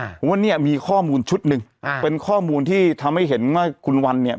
เพราะว่าเนี่ยมีข้อมูลชุดหนึ่งอ่าเป็นข้อมูลที่ทำให้เห็นว่าคุณวันเนี่ย